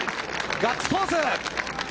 ガッツポーズ。